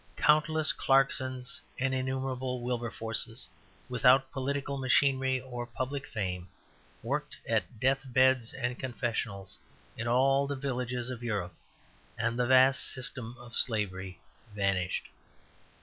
Countless Clarksons and innumerable Wilberforces, without political machinery or public fame, worked at death beds and confessionals in all the villages of Europe; and the vast system of slavery vanished.